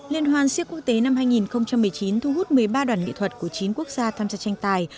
liên hoàn siếc quốc tế năm hai nghìn một mươi chín thu hút một mươi ba đoàn nghệ thuật của chín quốc gia tham gia tranh tài